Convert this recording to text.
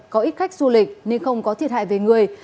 có ít khách du lịch nên không có thiệt hại về người